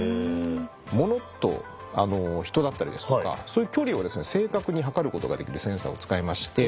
物と人だったりですとかそういう距離を正確に測ることができるセンサーを使いまして。